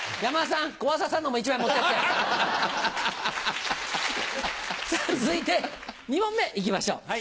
さぁ続いて２問目行きましょう。